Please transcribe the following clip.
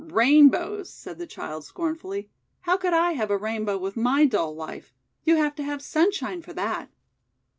:<Rainbows!" said the Child scornfully, "how could I have a Rainbow with my dull life? You have to have sunshine for that!'